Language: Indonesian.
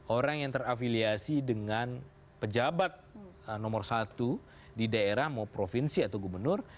orang yang terafiliasi dengan pejabat nomor satu di daerah mau provinsi atau gubernur